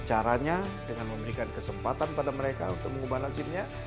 caranya dengan memberikan kesempatan pada mereka untuk mengubah lazimnya